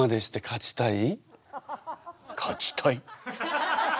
勝ちたい。